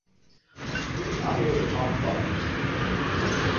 打畀你方唔方便啊？